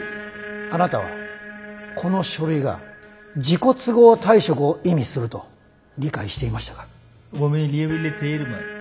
あなたはこの書類が自己都合退職を意味すると理解していましたか？